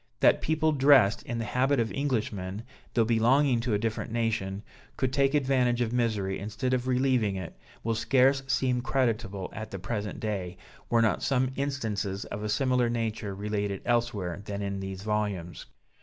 That people dressed in the habit of Englishmen, though belonging to a different nation, could take advantage of misery instead of relieving it, will scarce seem creditable at the present day, were not some instances of a similar nature related elsewhere than in these volumes.